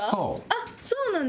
あっそうなんだ。